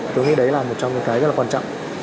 tôi nghĩ đấy là một trong những cái rất là quan trọng